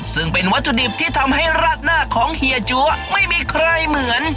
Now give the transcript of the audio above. ซึ่งเป็นวัตถุดิบที่ทำให้ราดหน้าของเฮียจั๊วไม่มีใครเหมือน